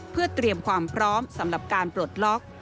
เพื่อเตรียมความพร้อมสำหรับการปลดล็อก